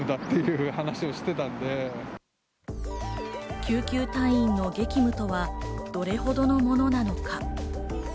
救急隊員の激務とは、どれほどのものなのか？